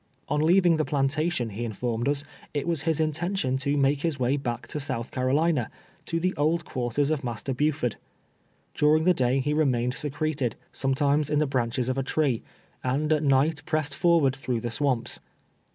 On leaving the plantation, he informed us, it was his intention to make his way back to South Carolina — to the old cpiarters of Mas ter Buford. During the dav he remained secreted, sometimes in the branches of a tree, and at night pressed forward tln ough the swamps.